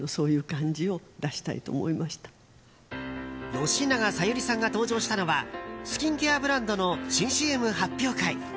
吉永小百合さんが登場したのはスキンケアブランドの新ＣＭ発表会。